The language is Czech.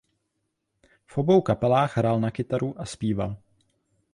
V obou kapelách hrál na kytaru a zpíval.